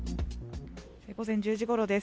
午前１０時ごろです。